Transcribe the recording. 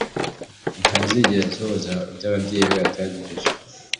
ntazigera asohoza ibyo ababyeyi be bategereje.